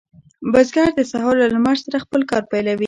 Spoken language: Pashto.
بزګر د سهار له لمر سره خپل کار پیلوي.